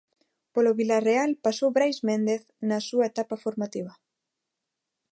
Polo Vilarreal pasou Brais Méndez na súa etapa formativa.